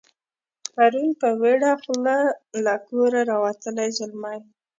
پرون په ویړه خوله له کوره راوتلی زلمی